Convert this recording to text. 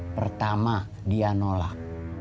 pertama dia nolak